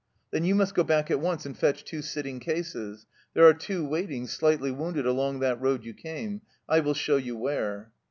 " Then you must go back at once and fetch two sitting cases. There are two waiting, slightly wounded, along that road you came. I will show you where."